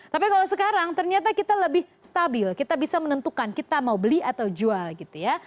tapi kalau sekarang ternyata kita lebih stabil kita bisa menentukan kita mau beli atau jual gitu ya